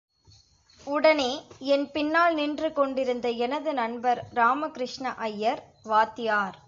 உடனே என் பின்னால் நின்று கொண்டிருந்த எனது நண்பர் ராம கிருஷ்ண ஐயர், வாத்தியார்!